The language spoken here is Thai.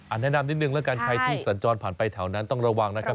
แนะนำนิดนึงแล้วกันใครที่สัญจรผ่านไปแถวนั้นต้องระวังนะครับ